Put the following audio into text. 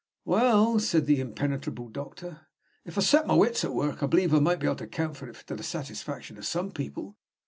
"Well," said the impenetrable doctor, "if I set my wits at work, I believe I might account for it to the satisfaction of some people.